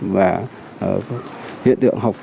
và hiện tượng học sinh